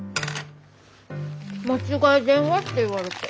間違い電話って言われて。